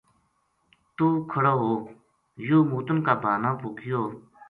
توہ کھَڑو ہویوہ موتن کا بہانا پو گیو